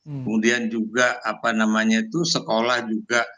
kemudian juga apa namanya itu sekolah juga